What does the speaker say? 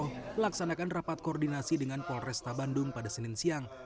melaksanakan rapat koordinasi dengan polresta bandung pada senin siang